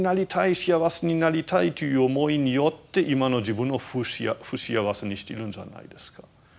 幸せになりたいという思いによって今の自分を不幸せにしてるんじゃないですか。